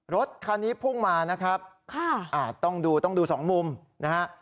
รถคันนี้พุ่งมานะครับต้องดูต้องดูสองมุมนะฮะ